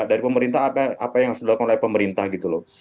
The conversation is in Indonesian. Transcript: dari pemerintah apa yang harus dilakukan oleh pemerintah gitu loh